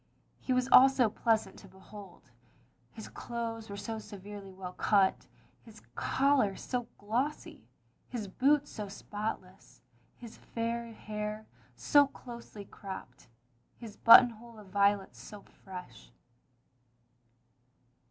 He was also pleasant to behold. His clothes were so severely well cut, his collar so glossy^ his boots so spotless, his fair hair so closely cropped, his buttonhole of violets so fresh.